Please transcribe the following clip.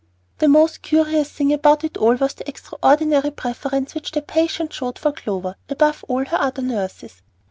The most curious thing about it all was the extraordinary preference which the patient showed for Clover above all her other nurses.